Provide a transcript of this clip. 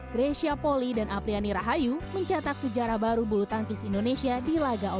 ganda putri indonesia